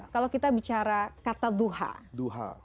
kalau kita bicara kata duha